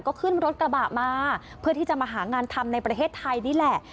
ก็ขึ้นรถกระบะมาเพื่อที่จะมาหางานทำในประเทศไทยนี่แหละ